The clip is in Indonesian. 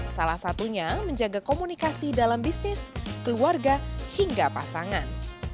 salah satunya menjaga komunikasi dalam bisnis keluarga hingga pasangan